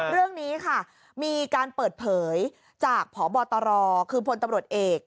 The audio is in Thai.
เรื่องนี้ค่ะมีการเปิดเผยจากพบตรคือพลตำรวจเอก